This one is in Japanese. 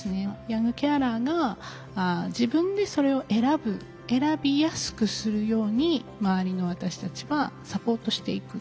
ヤングケアラーが自分でそれを選ぶ選びやすくするように周りの私たちはサポートしていく。